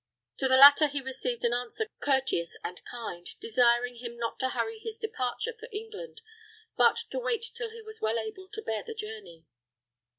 To the latter he received an answer courteous and kind, desiring him not to hurry his departure for England, but to wait till he was well able to bear the journey.